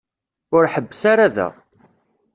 Ur ḥebbes ara da.